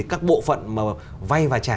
các bộ phận vay và trả